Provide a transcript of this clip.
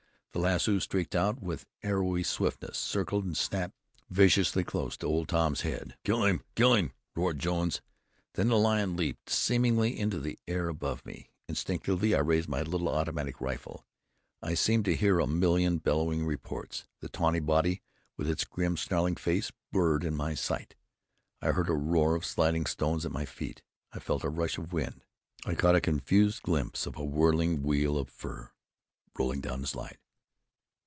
The lasso streaked out with arrowy swiftness, circled, and snapped viciously close to Old Tom's head. "Kill him! Kill him!" roared Jones. Then the lion leaped, seemingly into the air above me. Instinctively I raised my little automatic rifle. I seemed to hear a million bellowing reports. The tawny body, with its grim, snarling face, blurred in my sight. I heard a roar of sliding stones at my feet. I felt a rush of wind. I caught a confused glimpse of a whirling wheel of fur, rolling down the slide.